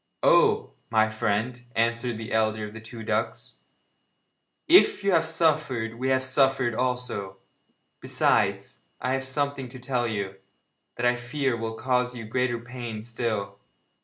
'Oh! my friend,' answered the elder of the two ducks, 'if you have suffered we have suffered also. Besides, I have something to tell you, that I fear will cause you greater pain still.